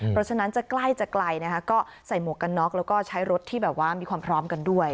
เพราะฉะนั้นจะใกล้จะไกลนะคะก็ใส่หมวกกันน็อกแล้วก็ใช้รถที่แบบว่ามีความพร้อมกันด้วย